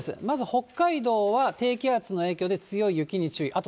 まず北海道は低気圧の影響で強い雪に注意。